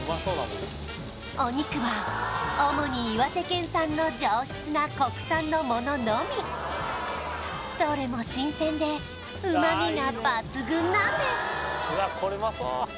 お肉は主に岩手県産の上質な国産の物のみどれも新鮮で旨みが抜群なんです